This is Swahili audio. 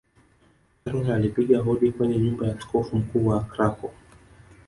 karol alipiga hodi kwenye nyumba ya askofu mkuu wa Krakow